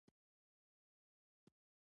لوستې میندې د ماشوم روغتیا ساتي.